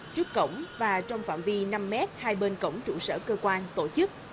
trước cổng và trong phạm vi năm m hai bên cổng trụ sở cơ quan tổ chức